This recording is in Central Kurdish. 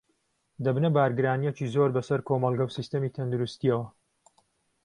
دەبنە بارگرانییەکی زۆر بەسەر کۆمەڵگە و سیستمی تەندروستییەوە